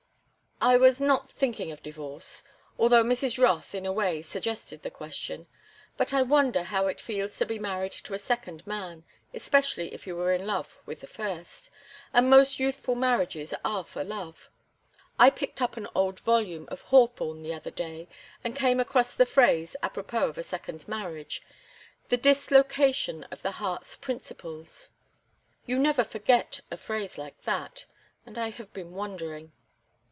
"I was not thinking of divorce—although Mrs. Rothe, in a way, suggested the question. But I wonder how it feels to be married to a second man, especially if you were in love with the first—and most youthful marriages are for love. I picked up an old volume of Hawthorne the other day and came across the phrase, apropos of a second marriage, 'the dislocation of the heart's principles.' You never forget a phrase like that. And I have been wondering."